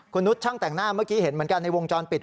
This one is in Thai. คุณนุษย์ช่างแต่งหน้าเมื่อกี้เห็นเหมือนกันในวงจรปิด